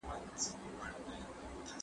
په ګروپي کارونو کې د یو بل نظر منل کېږي.